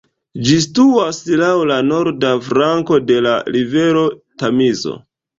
Ĝi situas laŭ la norda flanko de la rivero Tamizo.